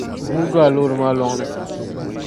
Bua do a loori maa lɔŋni